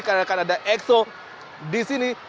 karena akan ada exo disini